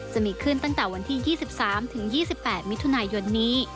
จะมีขึ้นตั้งแต่วันที่๒๓๒๘มิถุนายนนี้